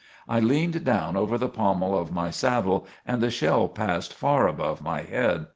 I leaned down over the pommel of my saddle and the shell passed far above my head.